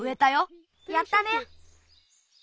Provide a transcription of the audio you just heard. やったね！